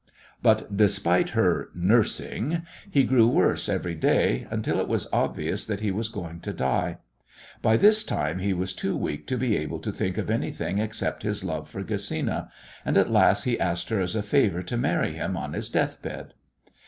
But despite her "nursing" he grew worse every day, until it was obvious that he was going to die. By this time he was too weak to be able to think of anything except his love for Gesina, and at last he asked her as a favour to marry him on his death bed.